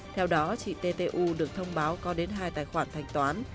theo đó chị ttu được thông báo có đến hai tài khoản thanh toán